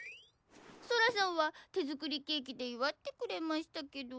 ソラさんは手作りケーキで祝ってくれましたけど。